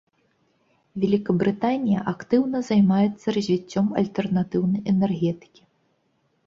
Вялікабрытанія актыўна займаецца развіццём альтэрнатыўнай энергетыкі.